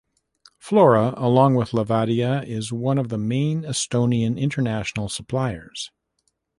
Flora, along with Levadia, is one of the main Estonian international suppliers.